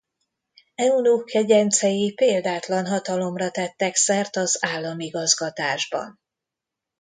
Eunuch kegyencei példátlan hatalomra tettek szert az államigazgatásban.